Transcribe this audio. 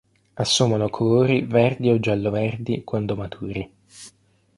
Assumono colori verdi o giallo-verdi quando maturi.